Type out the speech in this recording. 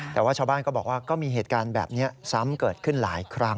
แต่ว่าชาวบ้านก็บอกว่าก็มีเหตุการณ์แบบนี้ซ้ำเกิดขึ้นหลายครั้ง